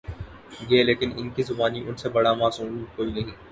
گے لیکن ان کی زبانی ان سے بڑا معصوم کوئی نہیں۔